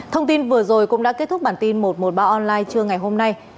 thông tin vừa rồi cũng đã kết thúc bản tin một trăm một mươi ba online trưa ngày hôm nay